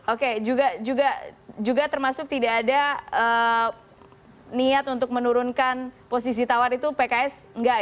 oke juga termasuk tidak ada niat untuk menurunkan posisi tawar itu pks enggak ya